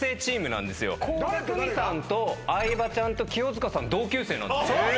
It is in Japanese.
倖田來未さんと相葉ちゃんと清塚さん同級生なんです。